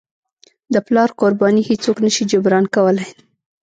د پلار قرباني هیڅوک نه شي جبران کولی.